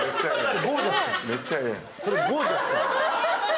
それゴー☆ジャスさん。